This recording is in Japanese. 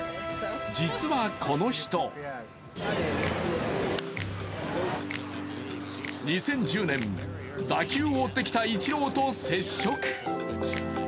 実はこの人２０１０年、打球を追ってきたイチローと接触。